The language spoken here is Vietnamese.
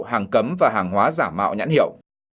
hàng cấm và hàng hóa giả mạo nhãn hiệu